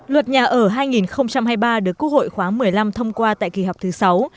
luật nhà ở hai nghìn hai mươi ba được quốc hội khóa một mươi năm thông qua tại kỳ họp thứ sáu